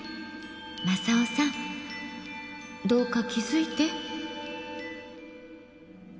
正雄さんどうか気付いて。